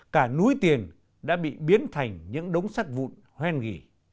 cả núi tiền đã bị biến thành những đống sắt vụn hoen ghỉ